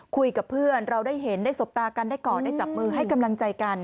คุยกับเพื่อนเราได้เห็นได้สบตากันได้ก่อนได้จับมือให้กำลังใจกัน